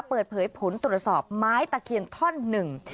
เปิดเผยผลตรวจสอบไม้ตะเคียนท่อนหนึ่ง